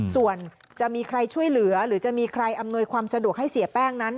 ส่วนจะมีใครช่วยเหลือหรือจะมีใครอำนวยความสะดวกให้เสียแป้งนั้น